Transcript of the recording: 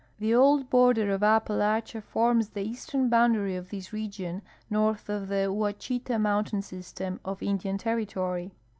•The old border of Appalachia forms the eastern boundary of this region, north of the Ouachita mountain system of Indian Territory.